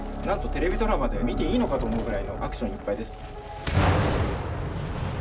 なんとテレビドラマで見ていいのか？と思うくらいのアクションいっぱいです。